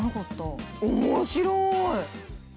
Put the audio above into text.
面白い！